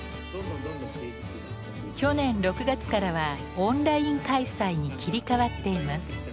去年６月からはオンライン開催に切り替わっています。